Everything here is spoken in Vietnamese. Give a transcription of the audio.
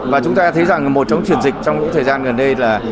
và chúng ta thấy rằng một trong chuyển dịch trong thời gian gần đây là